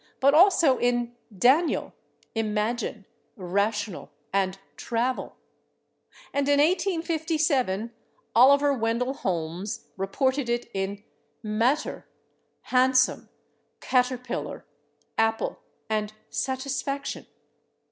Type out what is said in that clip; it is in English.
but also in /Daniel/, /imagine/, /rational/ and /travel/. And in 1857 Oliver Wendell Holmes reported it in /matter/, /handsome/, /caterpillar/, /apple/ and /satisfaction